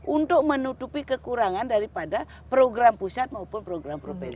untuk menutupi kekurangan daripada program pusat maupun program provinsi